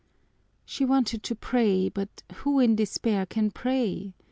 She wanted to pray, but who in despair can pray?